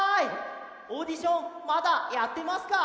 オーディションまだやってますか？